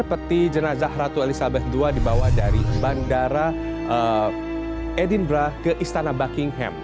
peti jenazah ratu elizabeth ii dibawa dari bandara edinburgh ke istana buckingham